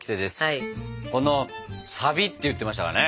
このサビって言ってましたからね。